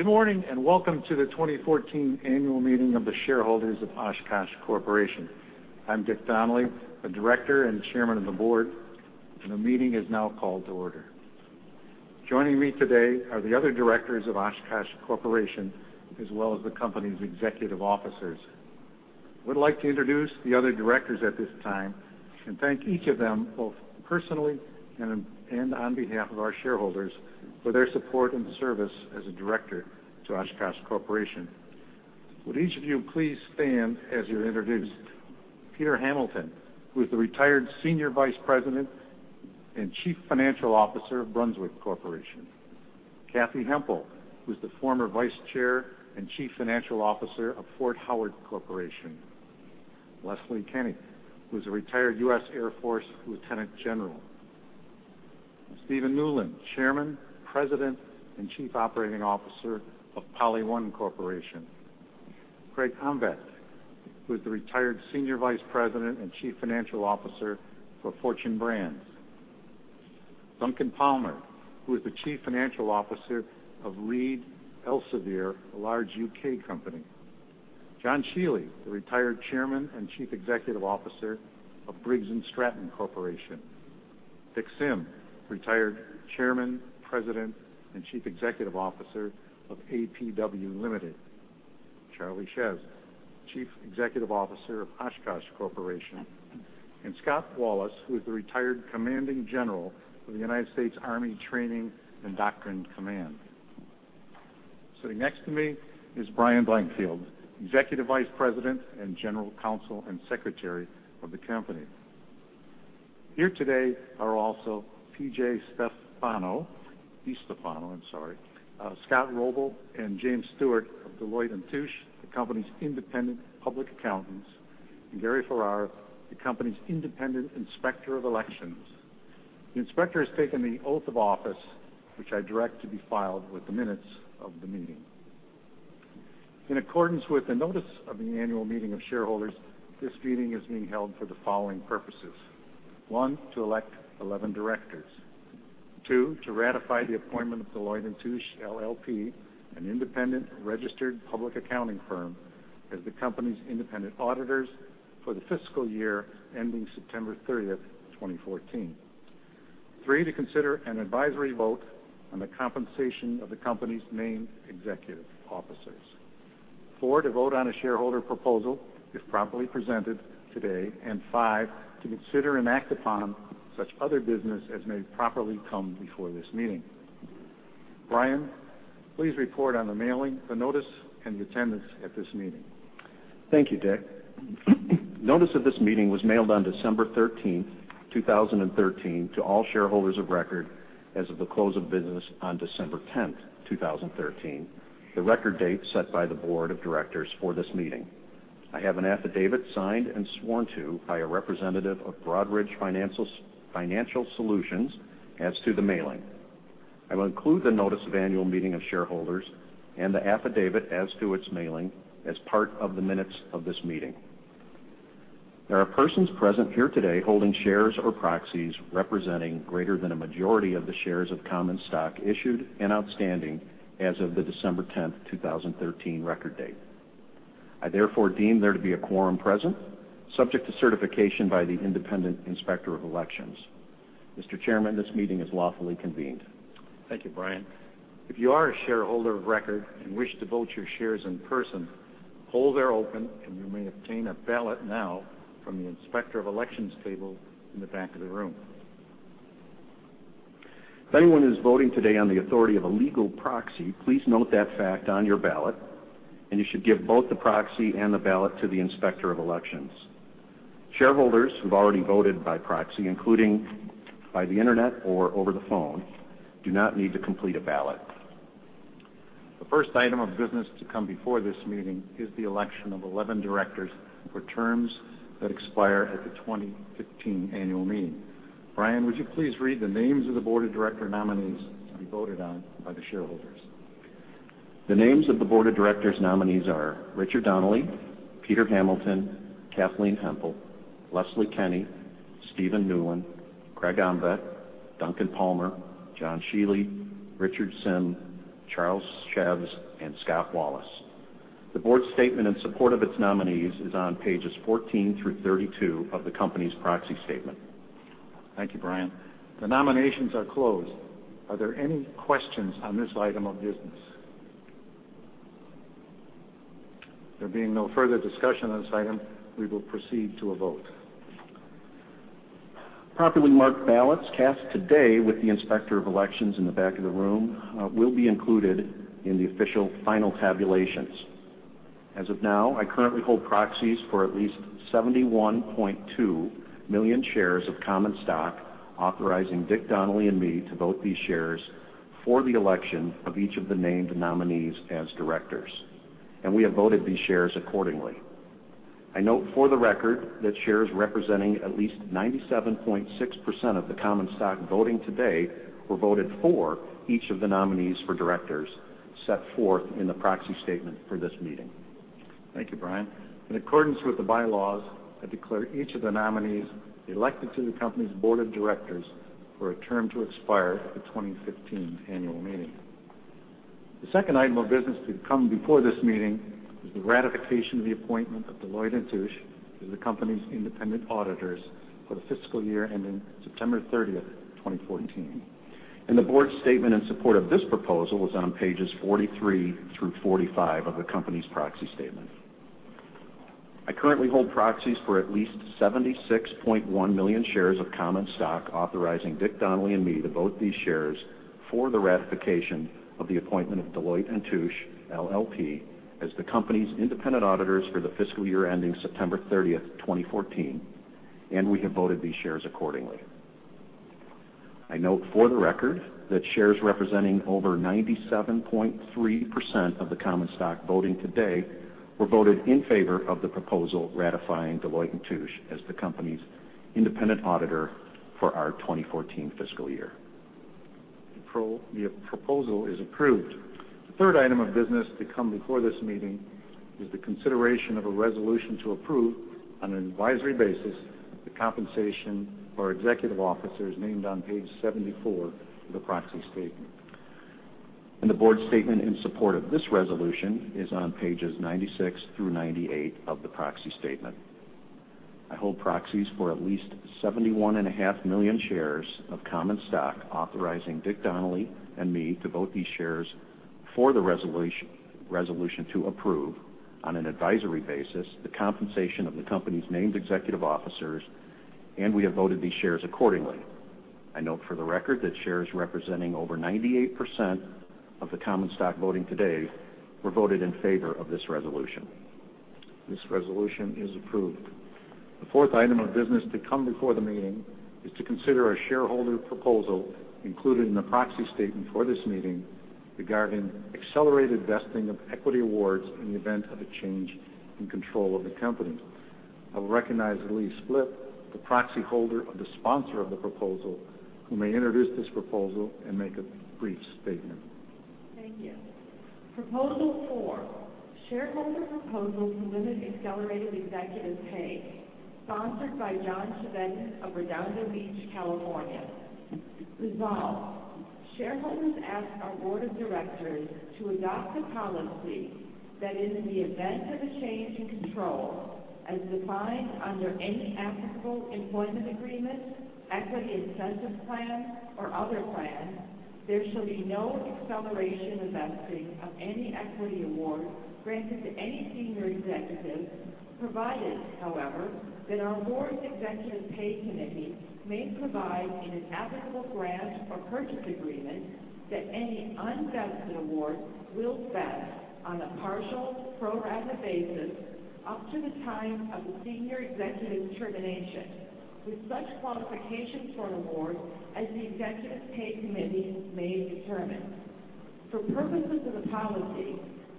Good morning and welcome to the 2014 Annual Meeting of the Shareholders of Oshkosh Corporation. I'm Dick Donnelly, the Director and Chairman of the Board, and the meeting is now called to order. Joining me today are the other Directors of Oshkosh Corporation, as well as the Company's Executive Officers. I would like to introduce the other Directors at this time and thank each of them, both personally and on behalf of our shareholders, for their support and service as a Director to Oshkosh Corporation. Would each of you please stand as you're introduced? Peter Hamilton, who is the Retired Senior Vice President and Chief Financial Officer of Brunswick Corporation. Kathy Hempel, who is the Former Vice Chair and Chief Financial Officer of Fort Howard Corporation. Leslie Kenne, who is a Retired U.S. Air Force Lieutenant General. Stephen Newlin, Chairman, President, and Chief Operating Officer of PolyOne Corporation. Craig P. Omtvedt, who is the Retired Senior Vice President and Chief Financial Officer for Fortune Brands. Duncan J. Palmer, who is the Chief Financial Officer of Reed Elsevier, a large UK company. John S. Shiely, the Retired Chairman and Chief Executive Officer of Briggs & Stratton Corporation. Richard G. Sim, Retired Chairman, President, and Chief Executive Officer of APW Limited. Charles L. Szews, Chief Executive Officer of Oshkosh Corporation. And William S. Wallace, who is the Retired Commanding General of the United States Army Training and Doctrine Command. Sitting next to me is Bryan J. Blankfield, Executive Vice President and General Counsel and Secretary of the Company. Here today are also P.J. DiStefano, Scott Wrobbel, and James Stewart of Deloitte & Touche, the Company's Independent Public Accountants, and Gary Farrar, the Company's Independent Inspector of Elections. The Inspector has taken the Oath of Office, which I direct to be filed with the minutes of the meeting. In accordance with the Notice of the Annual Meeting of Shareholders, this meeting is being held for the following purposes: 1, to elect 11 Directors. 2, to ratify the appointment of Deloitte & Touche LLP, an Independent Registered Public Accounting Firm, as the Company's Independent Auditors for the fiscal year ending September 30, 2014. 3, to consider an advisory vote on the compensation of the Company's named executive officers. 4, to vote on a shareholder proposal, if promptly presented today. And 5, to consider and act upon such other business as may properly come before this meeting. Bryan, please report on the mailing, the notice, and the attendance at this meeting. Thank you, Dick. The notice of this meeting was mailed on December 13, 2013, to all shareholders of record as of the close of business on December 10, 2013, the record date set by the Board of Directors for this meeting. I have an affidavit signed and sworn to by a representative of Broadridge Financial Solutions as to the mailing. I will include the Notice of Annual Meeting of Shareholders and the affidavit as to its mailing as part of the minutes of this meeting. There are persons present here today holding shares or proxies representing greater than a majority of the shares of common stock issued and outstanding as of the December 10, 2013, record date. I therefore deem there to be a quorum present, subject to certification by the Independent Inspector of Elections. Mr. Chairman, this meeting is lawfully convened. Thank you, Bryan. If you are a shareholder of record and wish to vote your shares in person, hold your hand open, and you may obtain a ballot now from the Inspector of Elections table in the back of the room. If anyone is voting today on the authority of a legal proxy, please note that fact on your ballot, and you should give both the proxy and the ballot to the Inspector of Elections. Shareholders who've already voted by proxy, including by the Internet or over the phone, do not need to complete a ballot. The first item of business to come before this meeting is the election of 11 Directors for terms that expire at the 2015 Annual Meeting. Bryan, would you please read the names of the Board of Directors nominees to be voted on by the shareholders? The names of the Board of Directors nominees are Richard Donnelly, Peter Hamilton, Kathleen Hempel, Leslie Kenne, Stephen Newlin, Craig Omtvedt, Duncan Palmer, John Shiely, Richard Sim, Charles Szews, and William Wallace. The Board's statement in support of its nominees is on pages 14 through 32 of the Company's Proxy Statement. Thank you, Bryan. The nominations are closed. Are there any questions on this item of business? There being no further discussion on this item, we will proceed to a vote. Properly marked ballots cast today with the Inspector of Elections in the back of the room will be included in the official final tabulations. As of now, I currently hold proxies for at least 71.2 million shares of common stock authorizing Dick Donnelly and me to vote these shares for the election of each of the named nominees as Directors, and we have voted these shares accordingly. I note for the record that shares representing at least 97.6% of the common stock voting today were voted for each of the nominees for Directors set forth in the Proxy Statement for this meeting. Thank you, Bryan. In accordance with the by-laws, I declare each of the nominees elected to the Company's Board of Directors for a term to expire at the 2015 Annual Meeting. The second item of business to come before this meeting is the ratification of the appointment of Deloitte & Touche as the Company's Independent Auditors for the fiscal year ending September 30, 2014. The Board's statement in support of this proposal is on pages 43 through 45 of the Company's Proxy Statement. I currently hold proxies for at least 76.1 million shares of common stock authorizing Dick Donnelly and me to vote these shares for the ratification of the appointment of Deloitte & Touche LLP as the Company's Independent Auditors for the fiscal year ending September 30, 2014, and we have voted these shares accordingly. I note for the record that shares representing over 97.3% of the common stock voting today were voted in favor of the proposal ratifying Deloitte & Touche as the Company's Independent Auditor for our 2014 fiscal year. The proposal is approved. The third item of business to come before this meeting is the consideration of a resolution to approve on an advisory basis the compensation for executive officers named on page 74 of the Proxy Statement. The Board's statement in support of this resolution is on pages 96 through 98 of the Proxy Statement. I hold proxies for at least 71.5 million shares of common stock authorizing Dick Donnelly and me to vote these shares for the resolution to approve on an advisory basis the compensation of the Company's named executive officers, and we have voted these shares accordingly. I note for the record that shares representing over 98% of the common stock voting today were voted in favor of this resolution. This resolution is approved. The fourth item of business to come before the meeting is to consider a shareholder proposal included in the Proxy Statement for this meeting regarding accelerated vesting of equity awards in the event of a change in control of the Company. I will recognize Lee Splitt, the proxy holder of the sponsor of the proposal, who may introduce this proposal and make a brief statement. Thank you. Proposal four, shareholder proposal to limit accelerated executive pay, sponsored by John Chevedden of Redondo Beach, California. Resolve, shareholders ask our Board of Directors to adopt a policy that in the event of a change in control as defined under any applicable employment agreement, equity incentive plan, or other plan, there shall be no acceleration of vesting of any equity award granted to any senior executive, provided, however, that our Board's executive pay committee may provide in an applicable grant or purchase agreement that any unvested award will vest on a partial pro-rata basis up to the time of the senior executive's termination, with such qualifications for an award as the executive pay committee may determine. For purposes of the policy,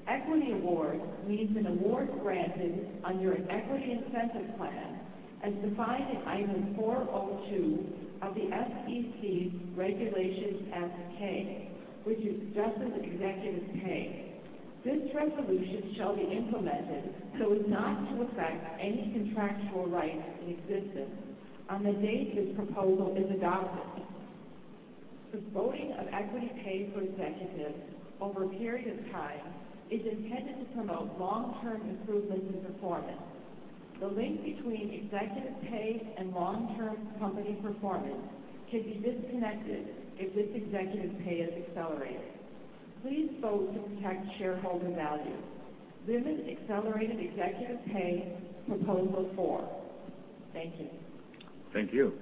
equity award means an award granted under an equity incentive plan as defined in Item 402 of the SEC's Regulation S-K, which is just executive pay. This resolution shall be implemented so as not to affect any contractual rights in existence on the date this proposal is adopted. The voting of equity pay for executives over a period of time is intended to promote long-term improvements in performance. The link between executive pay and long-term company performance can be disconnected if this executive pay is accelerated. Please vote to protect shareholder value. Limit accelerated executive pay, proposal four. Thank you. Thank you.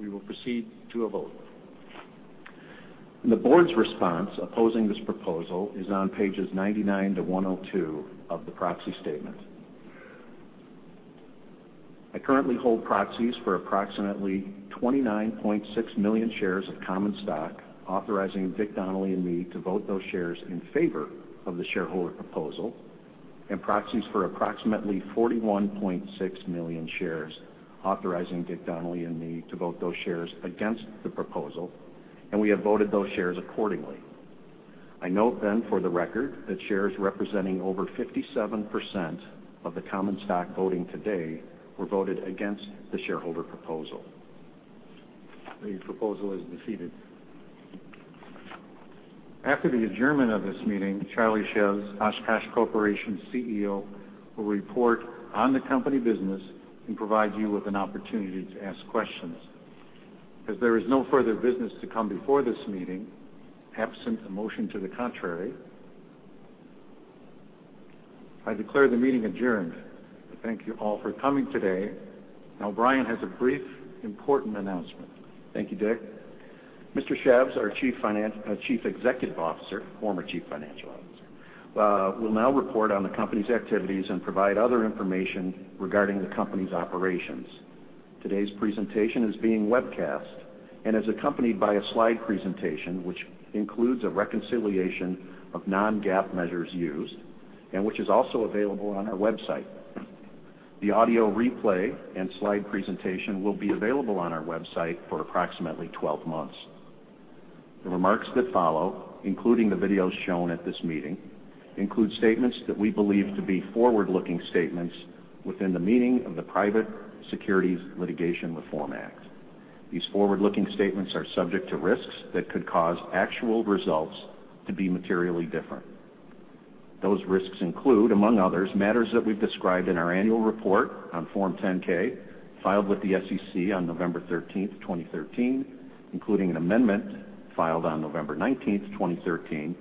We will proceed to a vote. The Board's response opposing this proposal is on pages 99 to 102 of the Proxy Statement. I currently hold proxies for approximately 29.6 million shares of common stock authorizing Dick Donnelly and me to vote those shares in favor of the shareholder proposal, and proxies for approximately 41.6 million shares authorizing Dick Donnelly and me to vote those shares against the proposal, and we have voted those shares accordingly. I note then for the record that shares representing over 57% of the common stock voting today were voted against the shareholder proposal. The proposal is defeated. After the adjournment of this meeting, Charlie Szews, Oshkosh Corporation CEO, will report on the Company business and provide you with an opportunity to ask questions. As there is no further business to come before this meeting, absent a motion to the contrary, I declare the meeting adjourned. Thank you all for coming today. Now, Bryan has a brief important announcement. Thank you, Dick. Mr. Szews, our Chief Executive Officer, former Chief Financial Officer, will now report on the Company's activities and provide other information regarding the Company's operations. Today's presentation is being webcast and is accompanied by a slide presentation which includes a reconciliation of non-GAAP measures used and which is also available on our website. The audio replay and slide presentation will be available on our website for approximately 12 months. The remarks that follow, including the videos shown at this meeting, include statements that we believe to be forward-looking statements within the meaning of the Private Securities Litigation Reform Act. These forward-looking statements are subject to risks that could cause actual results to be materially different. Those risks include, among others, matters that we've described in our Annual Report on Form 10-K filed with the SEC on November 13, 2013, including an amendment filed on November 19, 2013,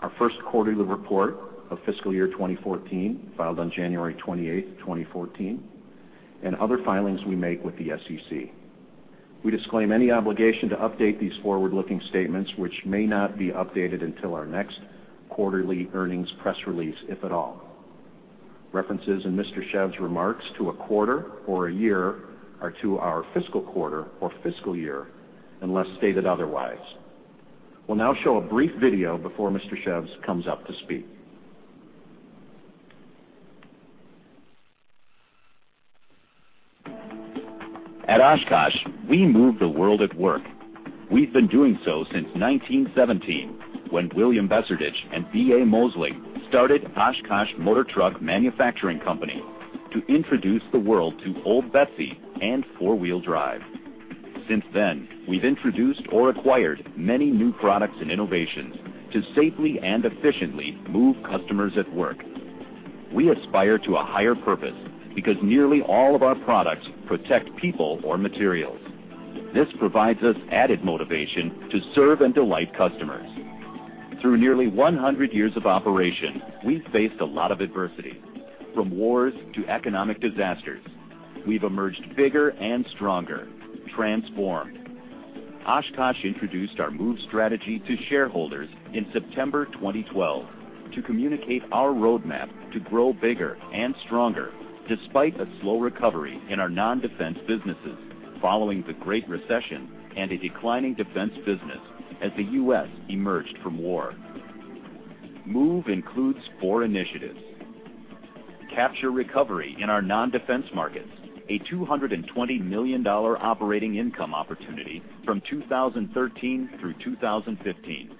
our first quarterly report of fiscal year 2014 filed on January 28, 2014, and other filings we make with the SEC. We disclaim any obligation to update these forward-looking statements which may not be updated until our next quarterly earnings press release, if at all. References in Mr. Szews' remarks to a quarter or a year are to our fiscal quarter or fiscal year unless stated otherwise. We'll now show a brief video before Mr. Szews comes up to speak. At Oshkosh, we move the world at work. We've been doing so since 1917 when William Besserdich and B.A. Mosling started Oshkosh Motor Truck Manufacturing Company to introduce the world to Old Betsy and four-wheel drive. Since then, we've introduced or acquired many new products and innovations to safely and efficiently move customers at work. We aspire to a higher purpose because nearly all of our products protect people or materials. This provides us added motivation to serve and delight customers. Through nearly 100 years of operation, we've faced a lot of adversity. From wars to economic disasters, we've emerged bigger and stronger, transformed. Oshkosh introduced our MOVE strategy to shareholders in September 2012 to communicate our roadmap to grow bigger and stronger despite a slow recovery in our non-defense businesses following the Great Recession and a declining defense business as the U.S. emerged from war. MOVE includes four initiatives: capture recovery in our non-defense markets, a $220 million operating income opportunity from 2013 through 2015.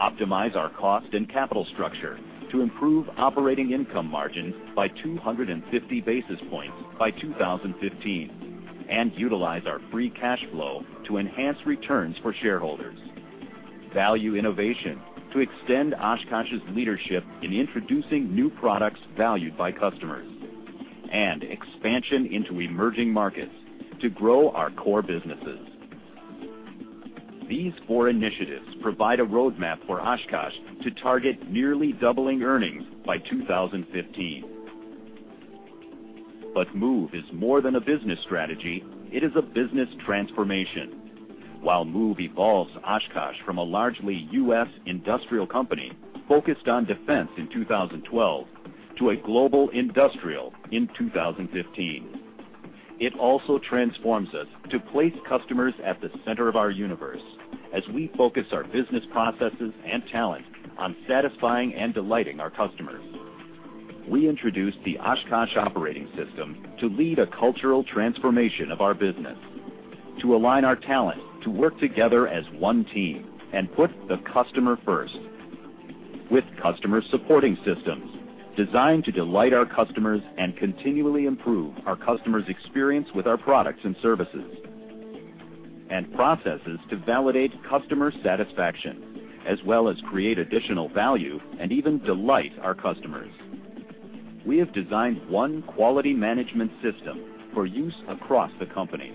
Optimize our cost and capital structure to improve operating income margins by 250 basis points by 2015. And utilize our free cash flow to enhance returns for shareholders. Value innovation to extend Oshkosh's leadership in introducing new products valued by customers. And expansion into emerging markets to grow our core businesses. These four initiatives provide a roadmap for Oshkosh to target nearly doubling earnings by 2015. But Move is more than a business strategy; it is a business transformation. While Move evolves Oshkosh from a largely U.S. industrial company focused on defense in 2012 to a global industrial in 2015, it also transforms us to place customers at the center of our universe as we focus our business processes and talent on satisfying and delighting our customers. We introduced the Oshkosh Operating System to lead a cultural transformation of our business, to align our talent to work together as one team and put the customer first, with customer supporting systems designed to delight our customers and continually improve our customers' experience with our products and services, and processes to validate customer satisfaction as well as create additional value and even delight our customers. We have designed one quality management system for use across the company.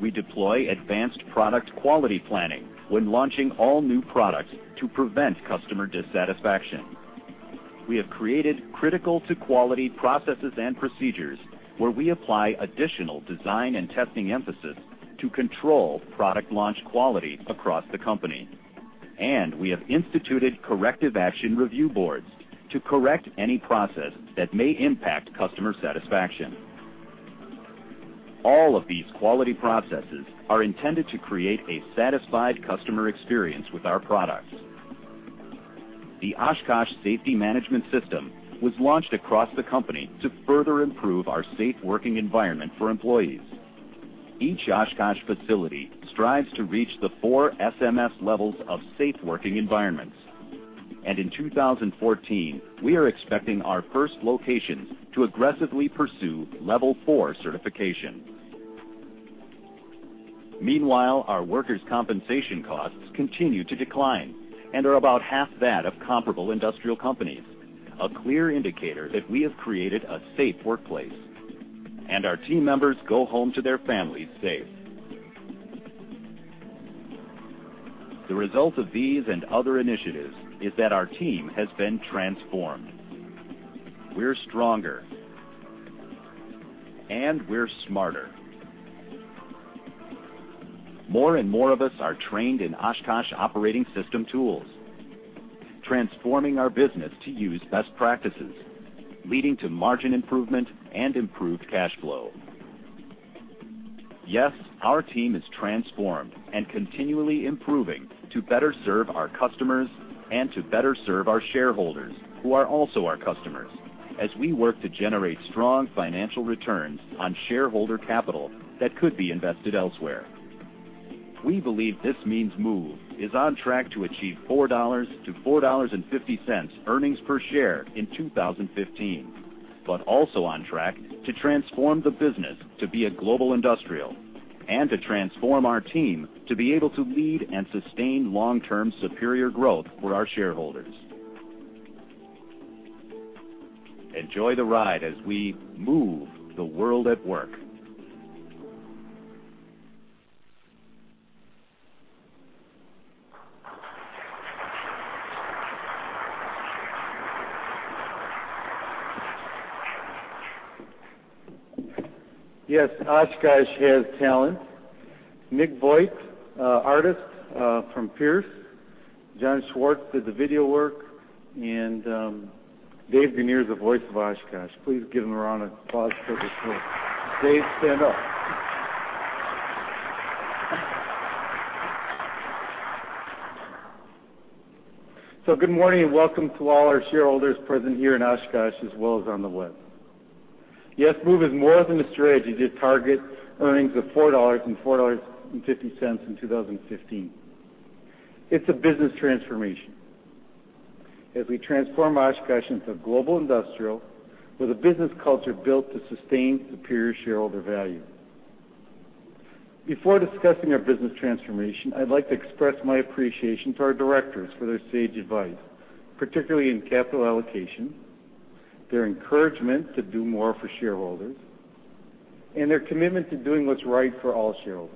We deploy Advanced Product Quality Planning when launching all new products to prevent customer dissatisfaction. We have created Critical-to-Quality processes and procedures where we apply additional design and testing emphasis to control product launch quality across the company, and we have instituted Corrective Action Review Boards to correct any process that may impact customer satisfaction. All of these quality processes are intended to create a satisfied customer experience with our products. The Oshkosh Safety Management System was launched across the company to further improve our safe working environment for employees. Each Oshkosh facility strives to reach the four SMS levels of safe working environments, and in 2014, we are expecting our first locations to aggressively pursue level four certification. Meanwhile, our workers' compensation costs continue to decline and are about half that of comparable industrial companies, a clear indicator that we have created a safe workplace, and our team members go home to their families safe. The result of these and other initiatives is that our team has been transformed. We're stronger, and we're smarter. More and more of us are trained in Oshkosh Operating System tools, transforming our business to use best practices, leading to margin improvement and improved cash flow. Yes, our team is transformed and continually improving to better serve our customers and to better serve our shareholders, who are also our customers, as we work to generate strong financial returns on shareholder capital that could be invested elsewhere. We believe this means MOVE is on track to achieve $4-$4.50 earnings per share in 2015, but also on track to transform the business to be a global industrial and to transform our team to be able to lead and sustain long-term superior growth for our shareholders. Enjoy the ride as we move the world at work. Yes, Oshkosh has talent. Nick Voight, artist from Pierce. John Schwartz did the video work, and Dave Guinther is the voice of Oshkosh. Please give them a round of applause for the show. Dave, stand up. Good morning and welcome to all our shareholders present here in Oshkosh as well as on the web. Yes, MOVE is more than a strategy to target earnings of $4 and $4.50 in 2015. It's a business transformation as we transform Oshkosh into a global industrial with a business culture built to sustain superior shareholder value. Before discussing our business transformation, I'd like to express my appreciation to our directors for their sage advice, particularly in capital allocation, their encouragement to do more for shareholders, and their commitment to doing what's right for all shareholders.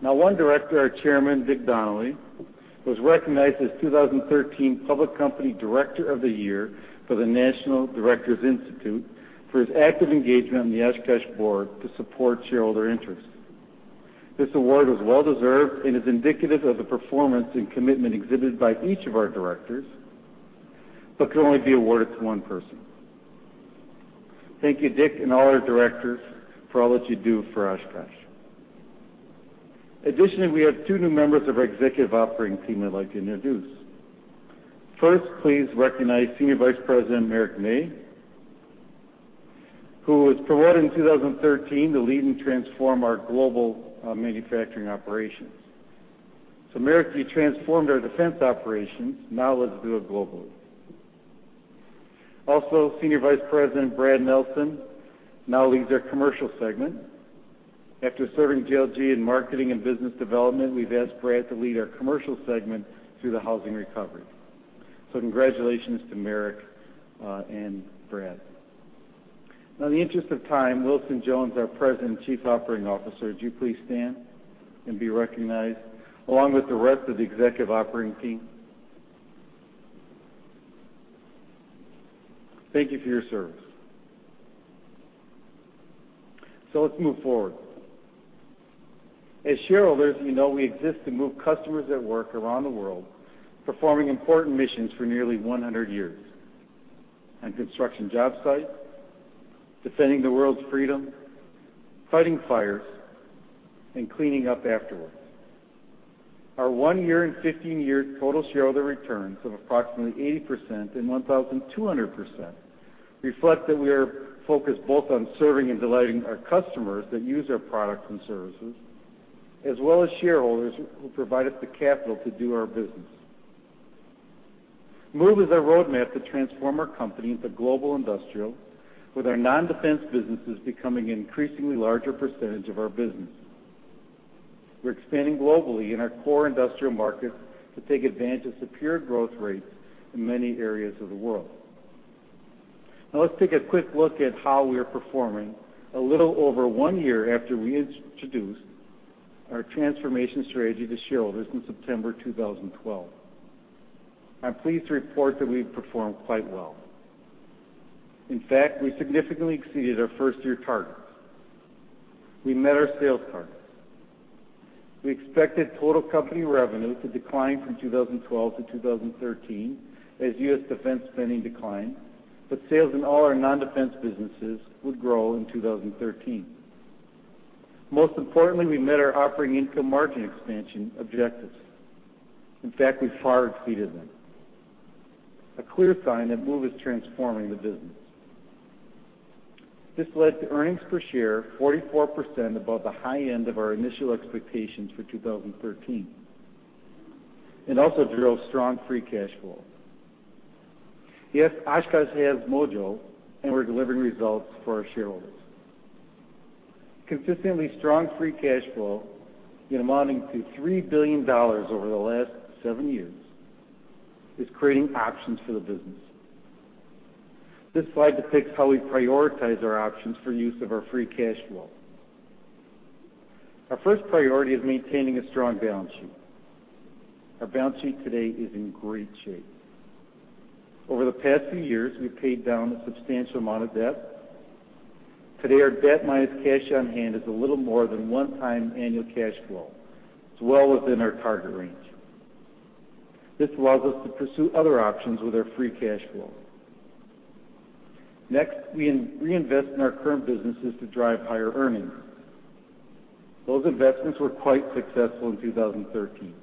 Now, one director, our chairman Dick Donnelly, was recognized as 2013 Public Company Director of the Year for the National Directors Institute for his active engagement on the Oshkosh board to support shareholder interests. This award is well-deserved and is indicative of the performance and commitment exhibited by each of our directors, but can only be awarded to one person. Thank you, Dick, and all our directors for all that you do for Oshkosh. Additionally, we have two new members of our Executive Operating Team I'd like to introduce. First, please recognize Senior Vice President Marek May, who was promoted in 2013 to lead and transform our global manufacturing operations. So Marek, you transformed our defense operations; now let's do it globally. Also, Senior Vice President Brad Nelson now leads our commercial segment. After serving JLG in marketing and business development, we've asked Brad to lead our commercial segment through the housing recovery. Congratulations to Marek and Brad. Now, in the interest of time, Wilson Jones, our President and Chief Operating Officer, would you please stand and be recognized along with the rest of the Executive Operating Team? Thank you for your service. Let's move forward. As shareholders, you know we exist to move customers at work around the world, performing important missions for nearly 100 years on construction job sites, defending the world's freedom, fighting fires, and cleaning up afterwards. Our one-year and 15-year total shareholder returns of approximately 80% and 1,200% reflect that we are focused both on serving and delighting our customers that use our products and services, as well as shareholders who provide us the capital to do our business. MOVE is our roadmap to transform our company into a global industrial, with our non-defense businesses becoming an increasingly larger percentage of our business. We're expanding globally in our core industrial markets to take advantage of superior growth rates in many areas of the world. Now, let's take a quick look at how we are performing a little over one year after we introduced our transformation strategy to shareholders in September 2012. I'm pleased to report that we've performed quite well. In fact, we significantly exceeded our first-year targets. We met our sales targets. We expected total company revenue to decline from 2012 to 2013 as U.S. defense spending declined, but sales in all our non-defense businesses would grow in 2013. Most importantly, we met our operating income margin expansion objectives. In fact, we far exceeded them. A clear sign that MOVE is transforming the business. This led to earnings per share 44% above the high end of our initial expectations for 2013. It also drove strong free cash flow. Yes, Oshkosh has mojo and we're delivering results for our shareholders. Consistently strong free cash flow amounting to $3 billion over the last seven years is creating options for the business. This slide depicts how we prioritize our options for use of our free cash flow. Our first priority is maintaining a strong balance sheet. Our balance sheet today is in great shape. Over the past few years, we've paid down a substantial amount of debt. Today, our debt minus cash on hand is a little more than 1x annual cash flow, which is well within our target range. This allows us to pursue other options with our free cash flow. Next, we reinvest in our current businesses to drive higher earnings. Those investments were quite successful in 2013.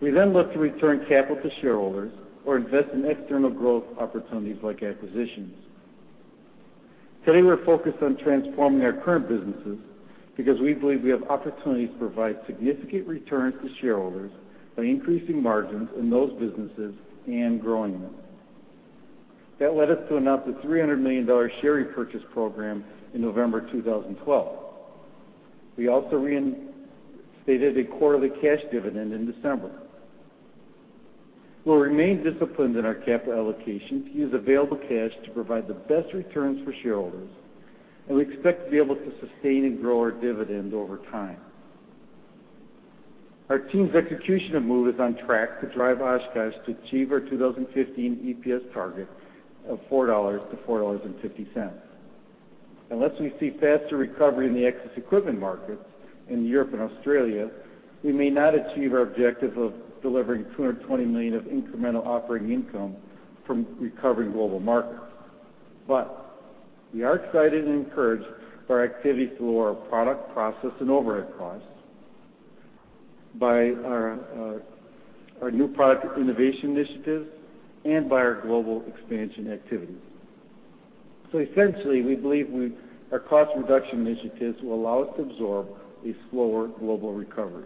We then look to return capital to shareholders or invest in external growth opportunities like acquisitions. Today, we're focused on transforming our current businesses because we believe we have opportunities to provide significant returns to shareholders by increasing margins in those businesses and growing them. That led us to announce a $300 million share repurchase program in November 2012. We also stated a quarterly cash dividend in December. We'll remain disciplined in our capital allocation to use available cash to provide the best returns for shareholders, and we expect to be able to sustain and grow our dividend over time. Our team's execution of Move is on track to drive Oshkosh to achieve our 2015 EPS target of $4-$4.50. Unless we see faster recovery in the excess equipment markets in Europe and Australia, we may not achieve our objective of delivering $220 million of incremental operating income from recovering global markets. But we are excited and encouraged by our activities to lower our product, process, and overhead costs by our new product innovation initiatives and by our global expansion activities. So essentially, we believe our cost reduction initiatives will allow us to absorb a slower global recovery.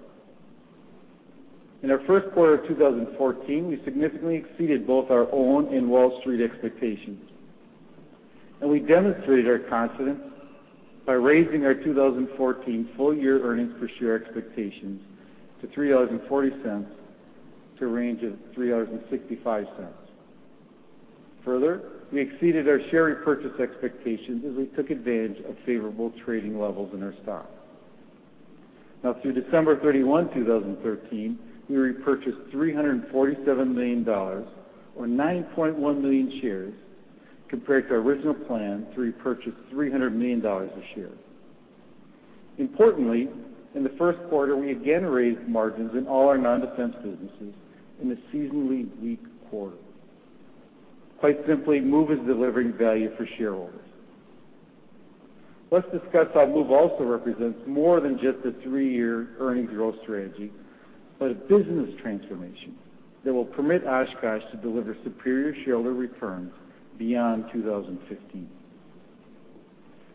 In our first quarter of 2014, we significantly exceeded both our own and Wall Street expectations, and we demonstrated our confidence by raising our 2014 full-year earnings per share expectations to a range of $3.40-$3.65. Further, we exceeded our share repurchase expectations as we took advantage of favorable trading levels in our stock. Now, through December 31, 2013, we repurchased $347 million, or 9.1 million shares, compared to our original plan to repurchase $300 million a share. Importantly, in the first quarter, we again raised margins in all our non-defense businesses in the seasonally weak quarter. Quite simply, Move is delivering value for shareholders. Let's discuss how Move also represents more than just a three-year earnings growth strategy, but a business transformation that will permit Oshkosh to deliver superior shareholder returns beyond 2015.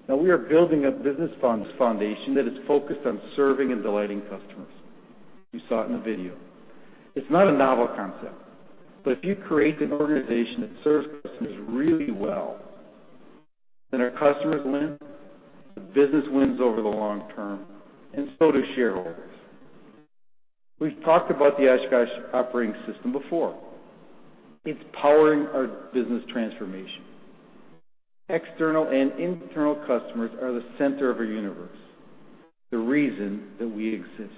Now, we are building a business fundamentals foundation that is focused on serving and delighting customers. You saw it in the video. It's not a novel concept, but if you create an organization that serves customers really well, then our customers win, the business wins over the long term, and so do shareholders. We've talked about the Oshkosh Operating System before. It's powering our business transformation. External and internal customers are the center of our universe, the reason that we exist.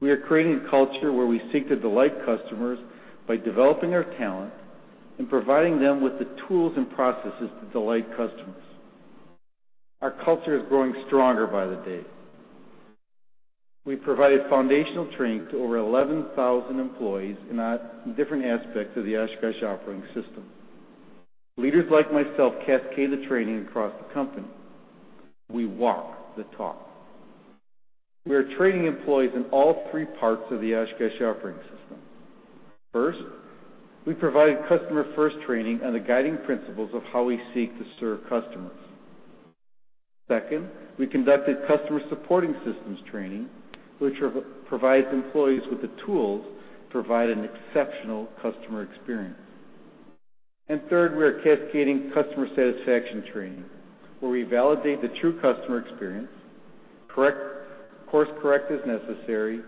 We are creating a culture where we seek to delight customers by developing our talent and providing them with the tools and processes to delight customers. Our culture is growing stronger by the day. We provided foundational training to over 11,000 employees in different aspects of the Oshkosh Operating System. Leaders like myself cascade the training across the company. We walk the talk. We are training employees in all three parts of the Oshkosh Operating System. First, we provided customer-first training on the guiding principles of how we seek to serve customers. Second, we conducted customer supporting systems training, which provides employees with the tools to provide an exceptional customer experience. Third, we are cascading customer satisfaction training, where we validate the true customer experience, course correct as necessary,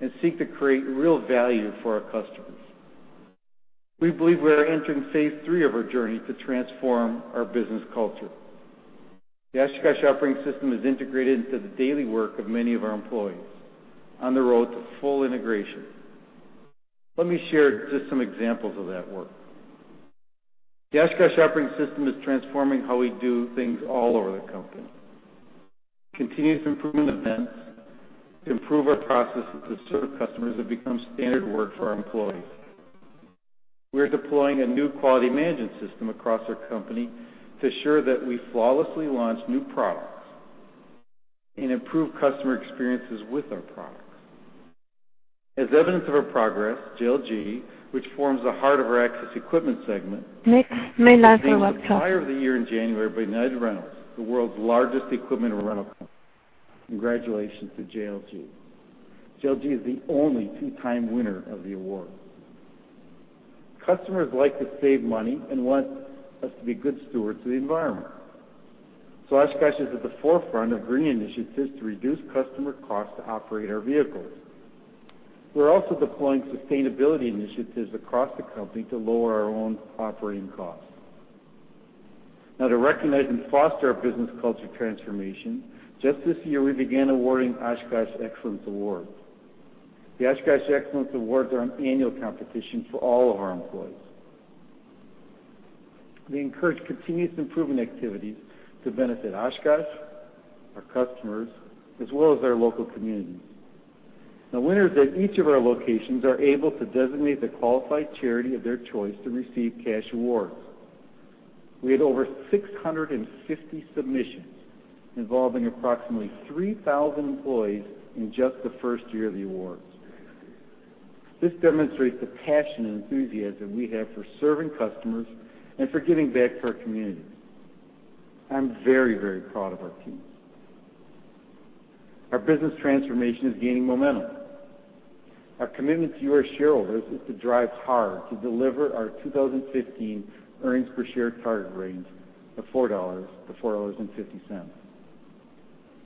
and seek to create real value for our customers. We believe we are entering phase three of our journey to transform our business culture. The Oshkosh Operating System is integrated into the daily work of many of our employees on the road to full integration. Let me share just some examples of that work. The Oshkosh Operating System is transforming how we do things all over the company. Continuous improvement events to improve our processes to serve customers have become standard work for our employees. We are deploying a new quality management system across our company to ensure that we flawlessly launch new products and improve customer experiences with our products. As evidence of our progress, JLG, which forms the heart of our access equipment segment, was named Supplier of the Year in January by United Rentals, the world's largest equipment rental company. Congratulations to JLG. JLG is the only two-time winner of the award. Customers like to save money and want us to be good stewards of the environment. So Oshkosh is at the forefront of green initiatives to reduce customer costs to operate our vehicles. We're also deploying sustainability initiatives across the company to lower our own operating costs. Now, to recognize and foster our business culture transformation, just this year, we began awarding Oshkosh Excellence Awards. The Oshkosh Excellence Awards are an annual competition for all of our employees. They encourage continuous improvement activities to benefit Oshkosh, our customers, as well as our local communities. Now, winners at each of our locations are able to designate the qualified charity of their choice to receive cash awards. We had over 650 submissions involving approximately 3,000 employees in just the first year of the awards. This demonstrates the passion and enthusiasm we have for serving customers and for giving back to our communities. I'm very, very proud of our team. Our business transformation is gaining momentum. Our commitment to you, our shareholders, is to drive hard to deliver our 2015 earnings per share target range of $4-$4.50.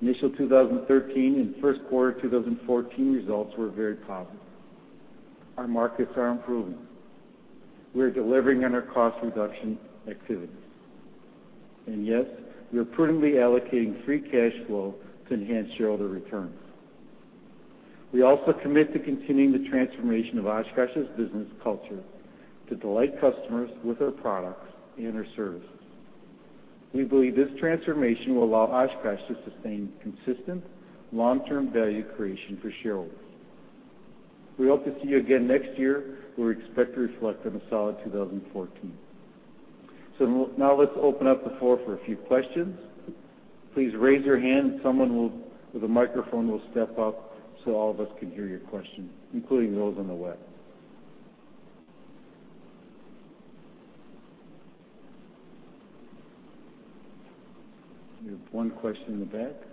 Initial 2013 and first quarter 2014 results were very positive. Our markets are improving. We are delivering on our cost reduction activities. And yes, we are prudently allocating free cash flow to enhance shareholder returns. We also commit to continuing the transformation of Oshkosh's business culture to delight customers with our products and our services. We believe this transformation will allow Oshkosh to sustain consistent long-term value creation for shareholders. We hope to see you again next year, where we expect to reflect on a solid 2014. So now, let's open up the floor for a few questions. Please raise your hand, and someone with a microphone will step up so all of us can hear your question, including those on the web. We have one question in the back.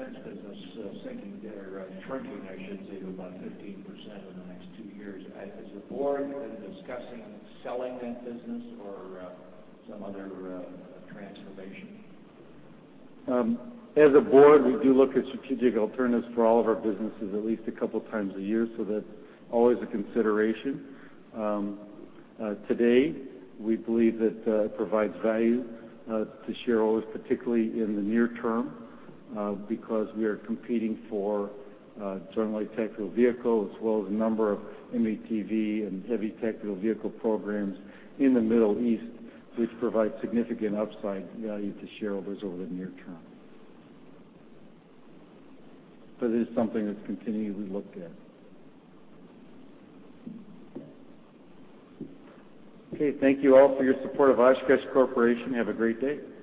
You show the defense business sinking or shrinking, I should say, to about 15% in the next two years. Is the board discussing selling that business or some other transformation? As a board, we do look at strategic alternatives for all of our businesses at least a couple of times a year, so that's always a consideration. Today, we believe that it provides value to shareholders, particularly in the near term, because we are competing for Joint Light Tactical Vehicles, as well as a number of M-ATV and Heavy Tactical Vehicle programs in the Middle East, which provide significant upside value to shareholders over the near term. But it is something that's continually looked at. Okay. Thank you all for your support of Oshkosh Corporation. Have a great day.